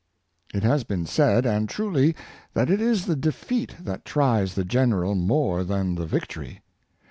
'' It has been said, and truly, that it is the defeat that tries the general more than the victory.